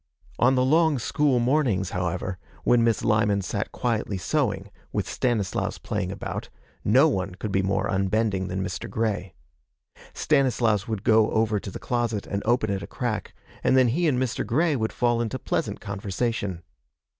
On the long school mornings, however, when Miss Lyman sat quietly sewing, with Stanislaus playing about, no one could be more unbending than Mr. Grey. Stanislaus would go over to the closet and open it a crack, and then he and Mr. Grey would fall into pleasant conversation.